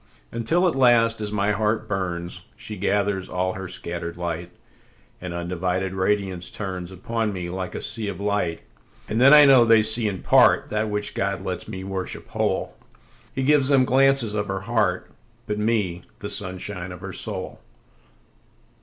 Until at last, as my heart burns, She gathers all her scatter'd light, And undivided radiance turnsUpon me like a sea of light. And then I know they see in partThat which God lets me worship whole:He gives them glances of her heart, But me, the sunshine of her soul.